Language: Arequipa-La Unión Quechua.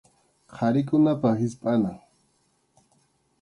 Qharikunapa hispʼanan.